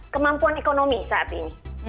kemampuan ekonomi saat ini